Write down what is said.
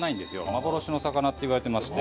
幻の魚っていわれてまして。